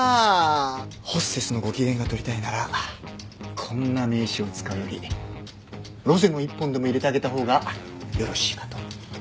ホステスのご機嫌が取りたいならこんな名刺を使うよりロゼの１本でも入れてあげた方がよろしいかと。